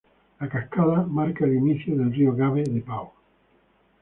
La cascada marca el inicio del río Gave de Pau.